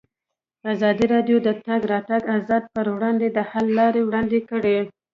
ازادي راډیو د د تګ راتګ ازادي پر وړاندې د حل لارې وړاندې کړي.